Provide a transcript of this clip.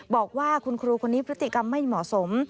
บอกว่าคุณครูคนนี้พฤติกรรมไม่เหมาะสม